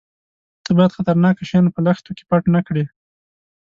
_ته بايد خطرناکه شيان په لښتو کې پټ نه کړې.